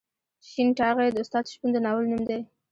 شین ټاغی د استاد شپون د ناول نوم دی.